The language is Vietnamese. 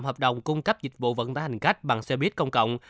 hợp đồng cung cấp dịch vụ vận tải hành khách bằng xe buýt công cộng